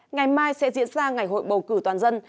ngày mai sẽ diễn ra ngày hội bầu cử